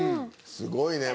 すごいね。